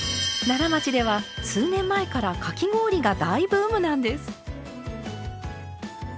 奈良町では数年前からかき氷が大ブームなんです。